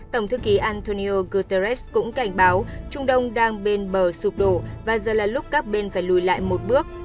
tổng thư ký antonio guterres cũng cảnh báo trung đông đang bên bờ sụp đổ và giờ là lúc các bên phải lùi lại một bước